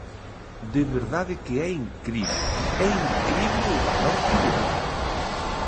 De verdade que é incrible, é incrible o valor que lle botan.